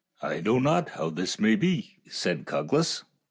" I know not how this may be," said Cuglas.